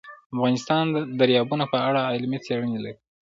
افغانستان د دریابونه په اړه علمي څېړنې لري.